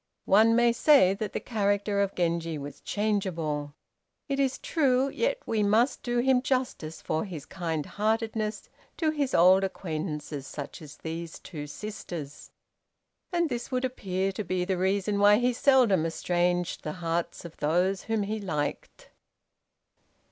One may say that the character of Genji was changeable, it is true, yet we must do him justice for his kind heartedness to his old acquaintances such as these two sisters, and this would appear to be the reason why he seldom estranged the hearts of those whom he liked.